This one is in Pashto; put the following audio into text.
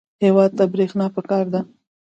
هېواد ته برېښنا پکار ده